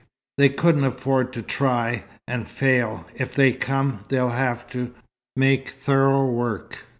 They couldn't afford to try, and fail. If they come, they'll have to make thorough work."